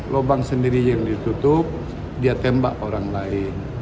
lubang sendiri yang ditutup dia tembak orang lain